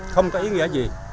không có ý nghĩa gì